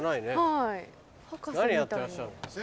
はい。